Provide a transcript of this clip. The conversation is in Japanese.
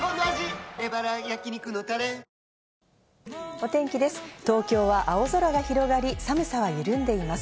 お天気です。